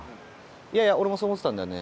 いやいや俺もそう思ってたんだよね。